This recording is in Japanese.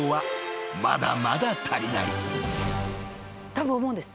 たぶん思うんです。